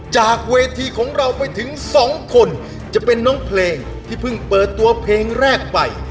จากเวทีของเราไปถึงสองคนจะเป็นน้องเพลงที่เพิ่งเปิดตัวเพลงแรกไป